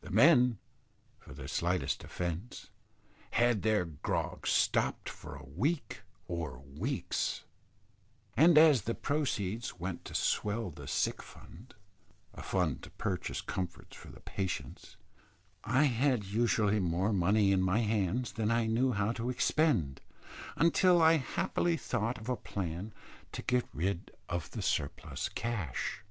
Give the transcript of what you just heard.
The men, for the slightest offence, had their grog stopped for a week or weeks; and as the proceeds went to swell the sick fund a fund to purchase comforts for the patients I had usually more money in my hands than I knew how to expend, until I happily thought of a plan to get rid of the surplus cash.